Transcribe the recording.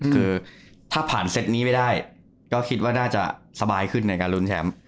คือถ้าผ่านเซตนี้ไม่ได้ก็คิดว่าน่าจะสบายขึ้นในการลุ้นแชมป์